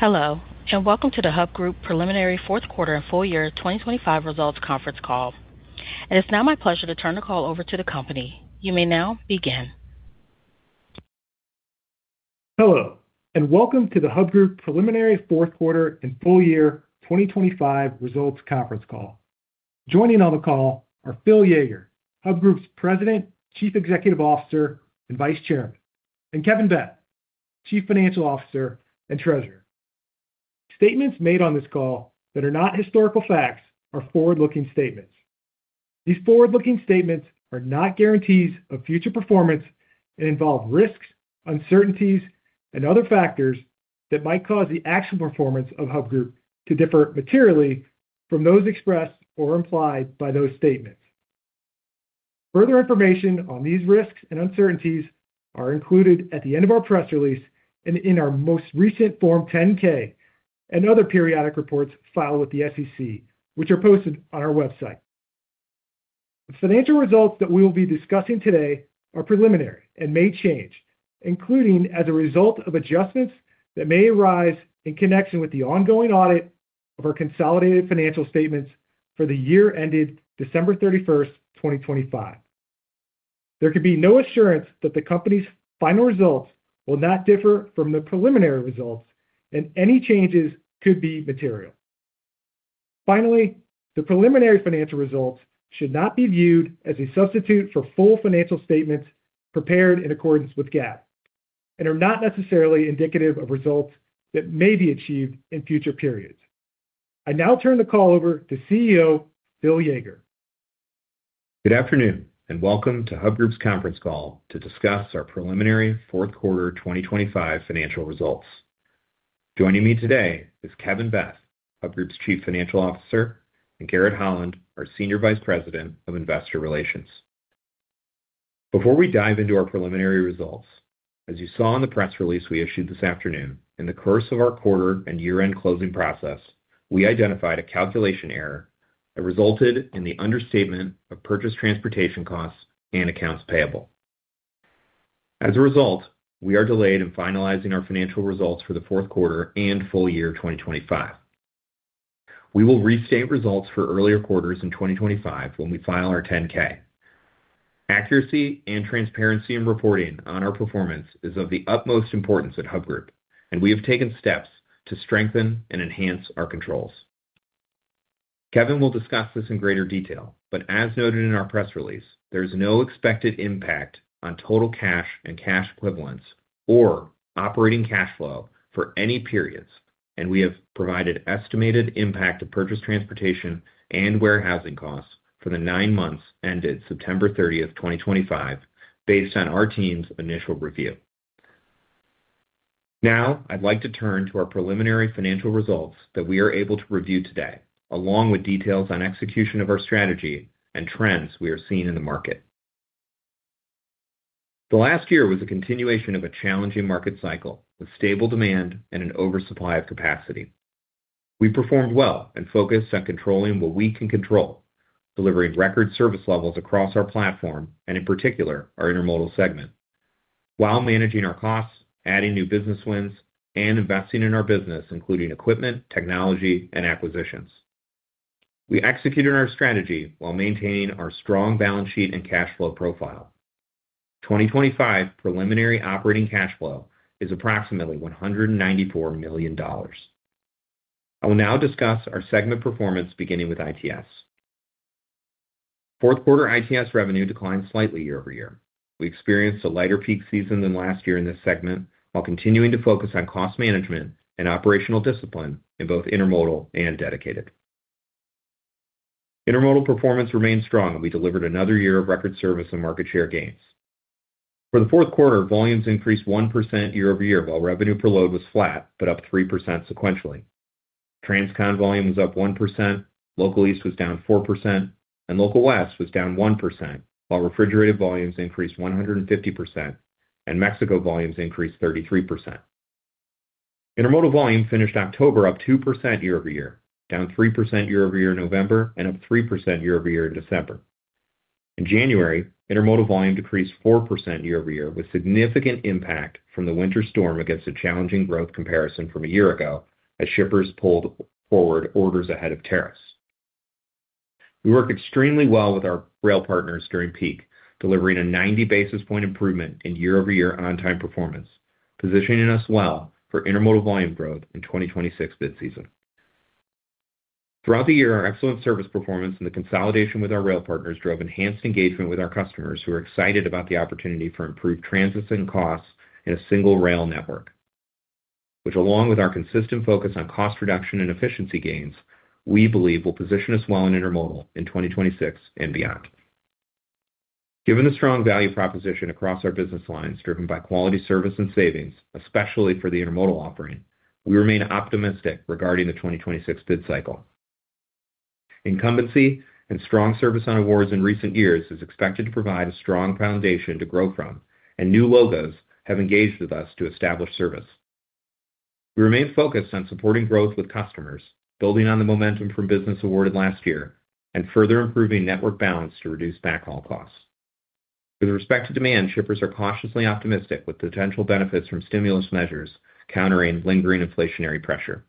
Hello, and welcome to the Hub Group Preliminary Q4 and Full Year 2025 Results Conference Call. It is now my pleasure to turn the call over to the company. You may now begin. Hello, and welcome to the Hub Group Preliminary Q4 and Full Year 2025 Results Conference Call. Joining on the call are Phil Yeager, Hub Group's President, Chief Executive Officer, and Vice Chairman, and Kevin Beth, Chief Financial Officer and Treasurer. Statements made on this call that are not historical facts are forward-looking statements. These forward-looking statements are not guarantees of future performance and involve risks, uncertainties, and other factors that might cause the actual performance of Hub Group to differ materially from those expressed or implied by those statements. Further information on these risks and uncertainties are included at the end of our press release and in our most recent Form 10-K and other periodic reports filed with the SEC, which are posted on our website. The financial results that we will be discussing today are preliminary and may change, including as a result of adjustments that may arise in connection with the ongoing audit of our consolidated financial statements for the year ended December 31, 2025. There could be no assurance that the company's final results will not differ from the preliminary results, and any changes could be material. Finally, the preliminary financial results should not be viewed as a substitute for full financial statements prepared in accordance with GAAP and are not necessarily indicative of results that may be achieved in future periods. I now turn the call over to CEO Phil Yeager. Good afternoon, and welcome to Hub Group's conference call to discuss our preliminary Q4 2025 financial results. Joining me today is Kevin Beth, Hub Group's Chief Financial Officer, and Garrett Holland, our Senior Vice President of Investor Relations. Before we dive into our preliminary results, as you saw in the press release we issued this afternoon, in the course of our quarter and year-end closing process, we identified a calculation error that resulted in the understatement of purchased transportation costs and accounts payable. As a result, we are delayed in finalizing our financial results for the Q4 and full year 2025. We will restate results for earlier quarters in 2025 when we file our 10-K. Accuracy and transparency in reporting on our performance is of the utmost importance at Hub Group, and we have taken steps to strengthen and enhance our controls. Kevin will discuss this in greater detail, but as noted in our press release, there is no expected impact on total cash and cash equivalents or operating cash flow for any periods, and we have provided estimated impact of purchased transportation, and warehousing costs for the nine months ended September 30, 2025, based on our team's initial review. Now, I'd like to turn to our preliminary financial results that we are able to review today, along with details on execution of our strategy and trends we are seeing in the market. The last year was a continuation of a challenging market cycle, with stable demand and an oversupply of capacity. We performed well and focused on controlling what we can control, delivering record service levels across our platform, and in particular, our intermodal segment, while managing our costs, adding new business wins, and investing in our business, including equipment, technology, and acquisitions. We executed our strategy while maintaining our strong balance sheet and cash flow profile. 2025 preliminary operating cash flow is approximately $194 million. I will now discuss our segment performance, beginning with ITS. Q4 ITS revenue declined slightly YoY. We experienced a lighter peak season than last year in this segment, while continuing to focus on cost management and operational discipline in both intermodal and dedicated. Intermodal performance remained strong, and we delivered another year of record service and market share gains. For the Q4, volumes increased 1% YoY, while revenue per load was flat, but up 3% sequentially. Transcon volume was up 1%, Local East was down 4%, and Local West was down 1%, while refrigerated volumes increased 150%, and Mexico volumes increased 33%. Intermodal volume finished October, up 2% YoY, down 3% YoY in November, and up 3% YoY in December. In January, intermodal volume decreased 4% YoY, with significant impact from the winter storm against a challenging growth comparison from a year ago, as shippers pulled forward orders ahead of tariffs. We work extremely well with our rail partners during peak, delivering a 90 basis point improvement in YoY on-time performance, positioning us well for intermodal volume growth in 2026 bid season. Throughout the year, our excellent service performance and the consolidation with our rail partners drove enhanced engagement with our customers, who are excited about the opportunity for improved transits and costs in a single rail network, which, along with our consistent focus on cost reduction and efficiency gains, we believe will position us well in intermodal in 2026 and beyond. Given the strong value proposition across our business lines, driven by quality service and savings, especially for the intermodal offering, we remain optimistic regarding the 2026 bid cycle. Incumbency and strong service on awards in recent years is expected to provide a strong foundation to grow from, and new logos have engaged with us to establish service. We remain focused on supporting growth with customers, building on the momentum from business awarded last year, and further improving network balance to reduce backhaul costs. With respect to demand, shippers are cautiously optimistic, with potential benefits from stimulus measures countering lingering inflationary pressure.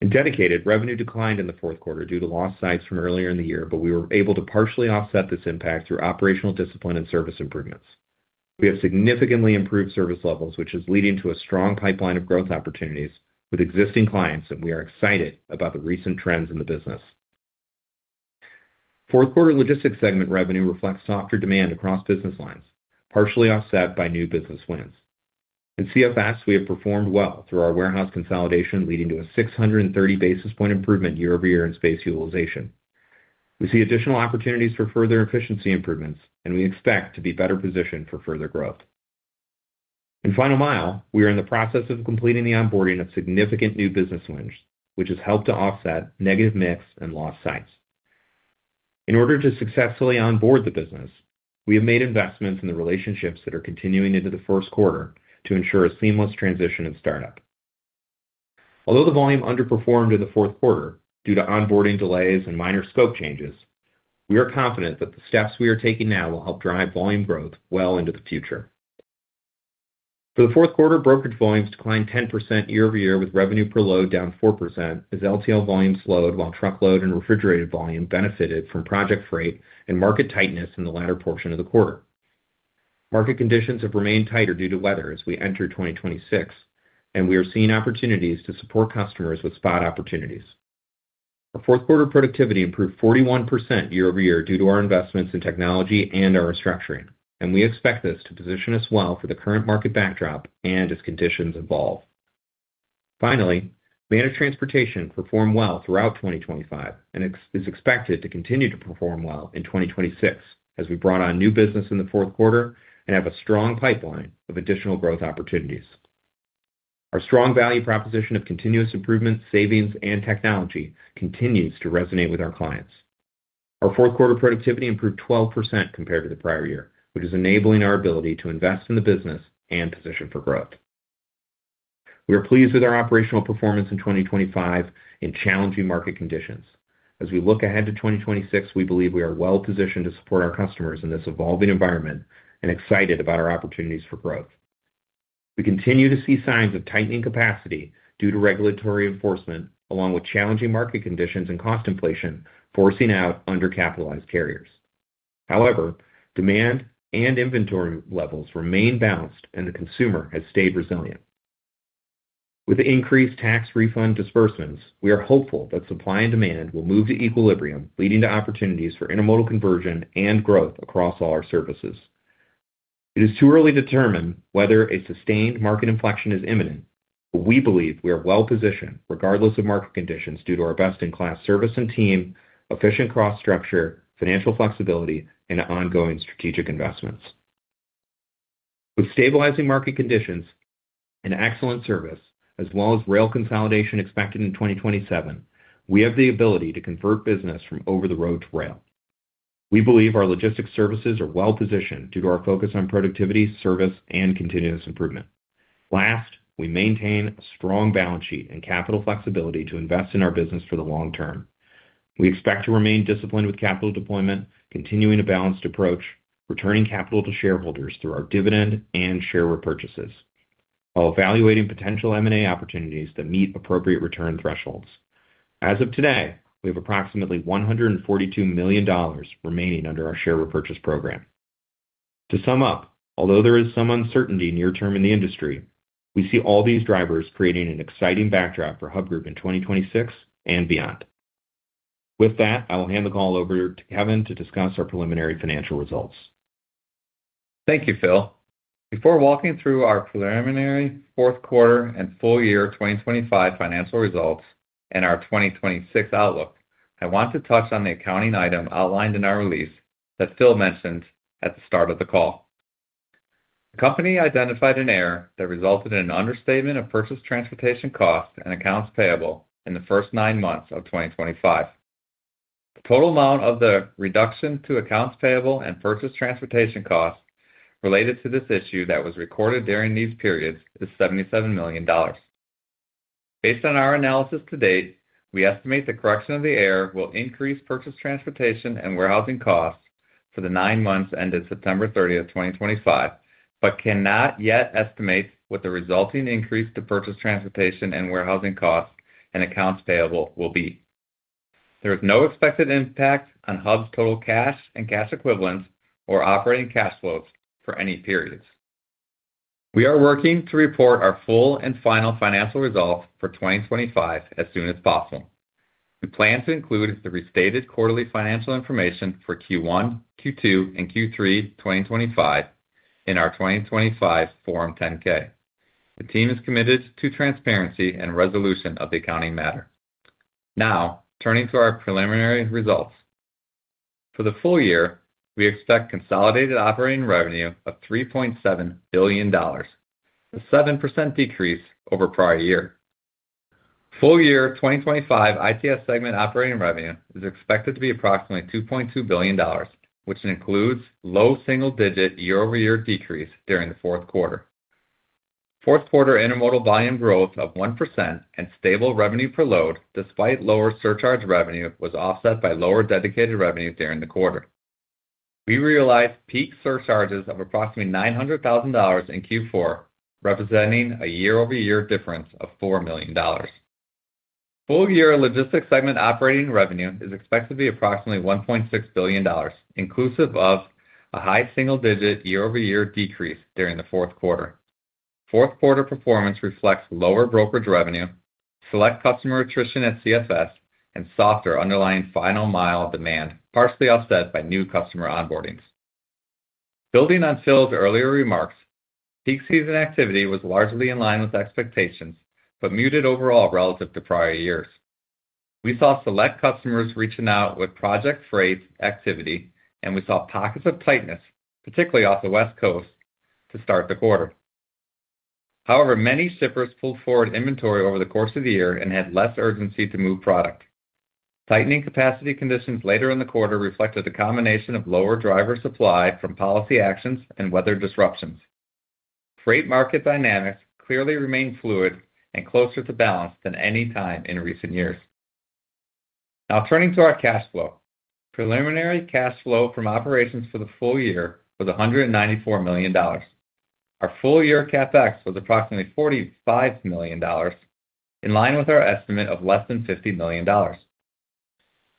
In Dedicated, revenue declined in the Q4 due to lost sites from earlier in the year, but we were able to partially offset this impact through operational discipline and service improvements. We have significantly improved service levels, which is leading to a strong pipeline of growth opportunities with existing clients, and we are excited about the recent trends in the business. Q4 logistics segment revenue reflects softer demand across business lines, partially offset by new business wins. In CFS, we have performed well through our warehouse consolidation, leading to a 630 basis point improvement YoY in space utilization. We see additional opportunities for further efficiency improvements, and we expect to be better positioned for further growth. In Final Mile, we are in the process of completing the onboarding of significant new business wins, which has helped to offset negative mix and lost sites. In order to successfully onboard the business, we have made investments in the relationships that are continuing into the first quarter to ensure a seamless transition and startup. Although the volume underperformed in the Q4 due to onboarding delays and minor scope changes, we are confident that the steps we are taking now will help drive volume growth well into the future. For the Q4, brokerage volumes declined 10% year over year, with revenue per load down 4% as LTL volume slowed, while truckload and refrigerated volume benefited from project freight and market tightness in the latter portion of the quarter. Market conditions have remained tighter due to weather as we enter 2026, and we are seeing opportunities to support customers with spot opportunities. Our Q4 productivity improved 41% year over year due to our investments in technology and our restructuring, and we expect this to position us well for the current market backdrop and as conditions evolve. Finally, Managed Transportation performed well throughout 2025 and is expected to continue to perform well in 2026, as we brought on new business in the Q4 and have a strong pipeline of additional growth opportunities. Our strong value proposition of continuous improvement, savings, and technology continues to resonate with our clients. Our Q4 productivity improved 12% compared to the prior year, which is enabling our ability to invest in the business and position for growth. We are pleased with our operational performance in 2025 in challenging market conditions. As we look ahead to 2026, we believe we are well positioned to support our customers in this evolving environment and excited about our opportunities for growth. We continue to see signs of tightening capacity due to regulatory enforcement, along with challenging market conditions and cost inflation, forcing out undercapitalized carriers. However, demand and inventory levels remain balanced, and the consumer has stayed resilient. With increased tax refund disbursements, we are hopeful that supply and demand will move to equilibrium, leading to opportunities for intermodal conversion and growth across all our services. It is too early to determine whether a sustained market inflection is imminent, but we believe we are well positioned regardless of market conditions, due to our best-in-class service and team, efficient cost structure, financial flexibility, and ongoing strategic investments. With stabilizing market conditions and excellent service, as well as rail consolidation expected in 2027, we have the ability to convert business from over the road to rail. We believe our logistics services are well-positioned due to our focus on productivity, service, and continuous improvement. Last, we maintain a strong balance sheet and capital flexibility to invest in our business for the long term. We expect to remain disciplined with capital deployment, continuing a balanced approach, returning capital to shareholders through our dividend and share repurchases, while evaluating potential M&A opportunities that meet appropriate return thresholds. As of today, we have approximately $142 million remaining under our share repurchase program. To sum up, although there is some uncertainty near term in the industry, we see all these drivers creating an exciting backdrop for Hub Group in 2026 and beyond. With that, I will hand the call over to Kevin to discuss our preliminary financial results. Thank you, Phil. Before walking through our preliminary Q4 and full year 2025 financial results and our 2026 outlook, I want to touch on the accounting item outlined in our release that Phil mentioned at the start of the call. The company identified an error that resulted in an understatement of purchased transportation costs and accounts payable in the first nine months of 2025. The total amount of the reduction to accounts payable and purchased transportation costs related to this issue that was recorded during these periods is $77 million. Based on our analysis to date, we estimate the correction of the error will increase purchased transportation and warehousing costs for the nine months ended September 30, 2025, but cannot yet estimate what the resulting increase to purchased transportation and warehousing costs and accounts payable will be. There is no expected impact on Hub's total cash and cash equivalents or operating cash flows for any periods. We are working to report our full and final financial results for 2025 as soon as possible. We plan to include the restated quarterly financial information for Q1, Q2, and Q3 2025 in our 2025 Form 10-K. The team is committed to transparency and resolution of the accounting matter. Now, turning to our preliminary results. For the full year, we expect consolidated operating revenue of $3.7 billion, a 7% decrease over prior year. Full year 2025 ITS segment operating revenue is expected to be approximately $2.2 billion, which includes low single-digit YoY decrease during Q4 intermodal volume growth of 1% and stable revenue per load, despite lower surcharge revenue, was offset by lower dedicated revenue during the quarter. We realized peak surcharges of approximately $900,000 in Q4, representing a YoY difference of $4 million. Full year logistics segment operating revenue is expected to be approximately $1.6 billion, inclusive of a high single-digit YoY decrease during the Q4. Q4 performance reflects lower brokerage revenue, select customer attrition at CFS, and softer underlying final mile demand, partially offset by new customer onboardings. Building on Phil's earlier remarks, peak season activity was largely in line with expectations, but muted overall relative to prior years. We saw select customers reaching out with project freight activity, and we saw pockets of tightness, particularly off the West Coast, to start the quarter. However, many shippers pulled forward inventory over the course of the year and had less urgency to move product. Tightening capacity conditions later in the quarter reflected a combination of lower driver supply from policy actions and weather disruptions. Freight market dynamics clearly remain fluid and closer to balance than any time in recent years. Now turning to our cash flow. Preliminary cash flow from operations for the full year was $194 million. Our full-year CapEx was approximately $45 million, in line with our estimate of less than $50 million.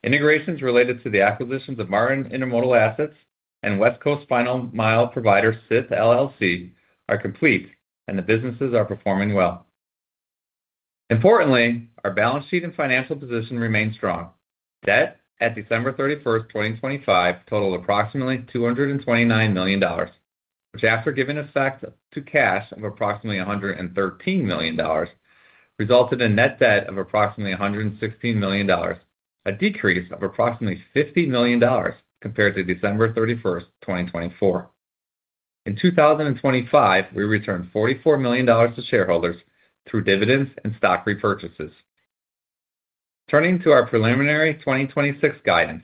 Integrations related to the acquisitions of Marten Intermodal assets and West Coast final mile provider, SITH, LLC, are complete, and the businesses are performing well. Importantly, our balance sheet and financial position remain strong. Debt at December 31, 2025, totaled approximately $229 million, which, after giving effect to cash of approximately $113 million, resulted in net debt of approximately $116 million, a decrease of approximately $50 million compared to December 31, 2024. In 2025, we returned $44 million to shareholders through dividends and stock repurchases. Turning to our preliminary 2026 guidance,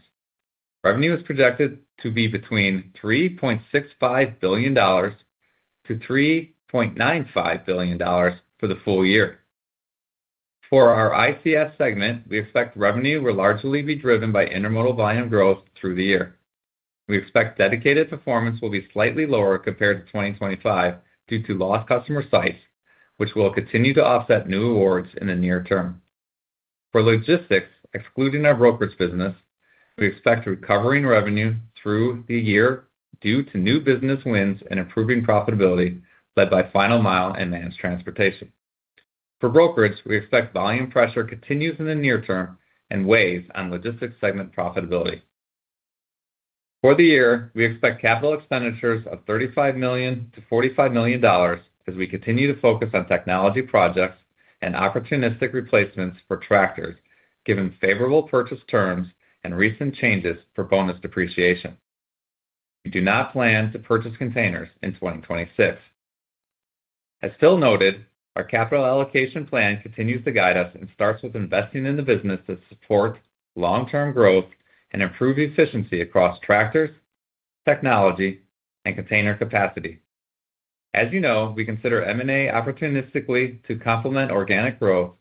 revenue is projected to be between $3.65 billion-$3.95 billion for the full year. For our ITS segment, we expect revenue will largely be driven by intermodal volume growth through the year. We expect dedicated performance will be slightly lower compared to 2025 due to lost customer sites, which will continue to offset new awards in the near term. For logistics, excluding our brokerage business, we expect recovering revenue through the year due to new business wins and improving profitability, led by final mile and managed transportation. For brokerage, we expect volume pressure continues in the near term and weighs on logistics segment profitability. For the year, we expect capital expenditures of $35 million-$45 million as we continue to focus on technology projects and opportunistic replacements for tractors, given favorable purchase terms and recent changes for bonus depreciation. We do not plan to purchase containers in 2026. As Phil noted, our capital allocation plan continues to guide us and starts with investing in the business to support long-term growth and improve efficiency across tractors, technology, and container capacity. As you know, we consider M&A opportunistically to complement organic growth,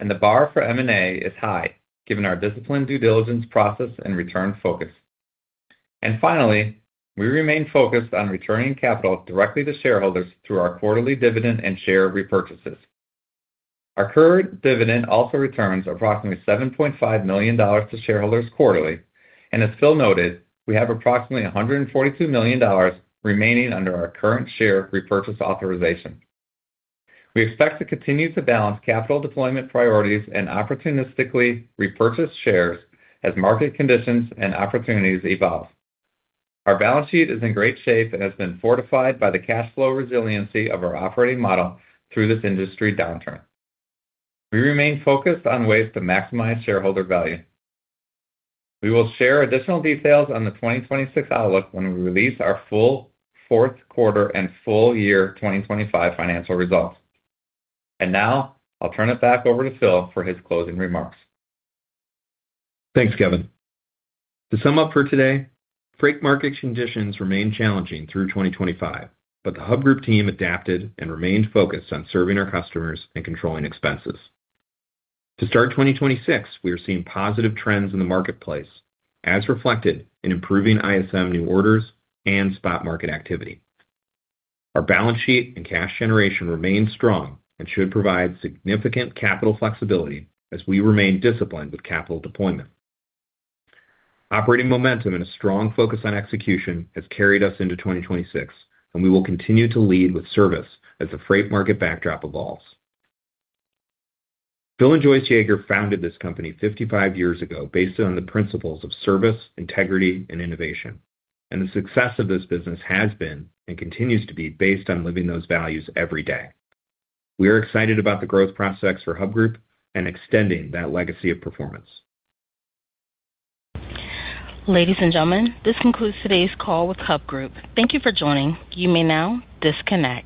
and the bar for M&A is high, given our disciplined due diligence process and return focus. And finally, we remain focused on returning capital directly to shareholders through our quarterly dividend and share repurchases. Our current dividend also returns approximately $7.5 million to shareholders quarterly, and as Phil noted, we have approximately $142 million remaining under our current share repurchase authorization. We expect to continue to balance capital deployment priorities and opportunistically repurchase shares as market conditions and opportunities evolve. Our balance sheet is in great shape and has been fortified by the cash flow resiliency of our operating model through this industry downturn. We remain focused on ways to maximize shareholder value. We will share additional details on the 2026 outlook when we release our full Q4 and full year 2025 financial results. And now, I'll turn it back over to Phil for his closing remarks. Thanks, Kevin. To sum up for today, freight market conditions remain challenging through 2025, but the Hub Group team adapted and remained focused on serving our customers and controlling expenses. To start 2026, we are seeing positive trends in the marketplace, as reflected in improving ISM New Orders and spot market activity. Our balance sheet and cash generation remain strong and should provide significant capital flexibility as we remain disciplined with capital deployment. Operating momentum and a strong focus on execution has carried us into 2026, and we will continue to lead with service as the freight market backdrop evolves. Phil and Joyce Yeager founded this company 55 years ago based on the principles of service, integrity, and innovation, and the success of this business has been, and continues to be, based on living those values every day. We are excited about the growth prospects for Hub Group and extending that legacy of performance. Ladies and gentlemen, this concludes today's call with Hub Group. Thank you for joining. You may now disconnect.